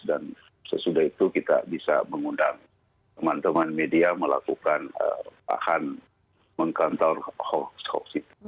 dan sesudah itu kita bisa mengundang teman teman media melakukan paham mengkantor hoax hoax itu